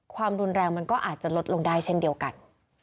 ความรุนแรงมันก็อาจจะลดลงได้เช่นเดียวกัน